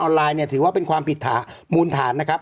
ไลน์เนี่ยถือว่าเป็นความผิดฐานมูลฐานนะครับ